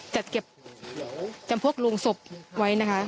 จัดเก็บจำพวกโรงศพไว้นะคะ